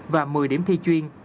và một mươi điểm thi chuyên